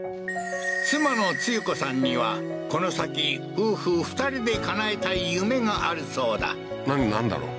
妻のツユ子さんにはこの先夫婦２人で叶えたい夢があるそうだなんだろう？